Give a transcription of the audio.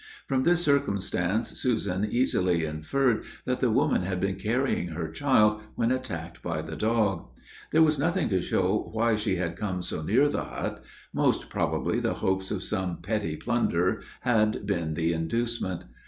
From this circumstance Susan easily inferred that the woman had been carrying her child when attacked by the dog. There was nothing to show why she had come so near the hut: most probably the hopes of some petty plunder had been the inducement.